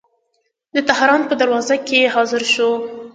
د تهران په دروازه کې حاضر شو.